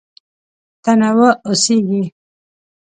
تنوع اوسېږي.